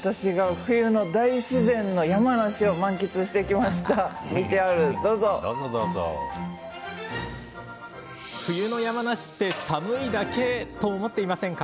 冬の山梨って寒いだけと思っていませんか？